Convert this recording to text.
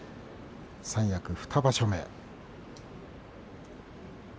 三役２場所目。